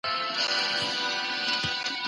د پوهانو ترمنځ یوالی کم دی.